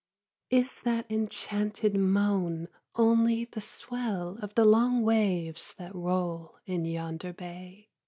8. Is that enchanted moan only the swell Of the long waves that roll in yonder bay?